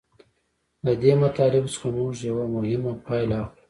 له دې مطالبو څخه موږ یوه مهمه پایله اخلو